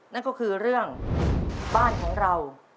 นั่นก็คือเรื่องบ้านของเรา